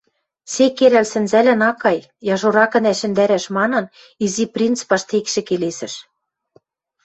— Сек керӓл сӹнзӓлӓн ак кай, — яжоракын ӓшӹндӓрӓш манын, Изи принц паштекшӹ келесӹш.